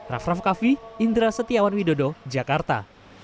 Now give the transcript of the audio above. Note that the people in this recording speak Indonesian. rafraf kaffi indra setiawan widodo jakarta